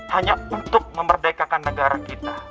hanya untuk memerdekakan negara kita